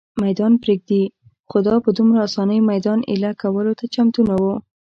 مېدان پرېږدي، خو دا په دومره آسانۍ مېدان اېله کولو ته چمتو نه وه.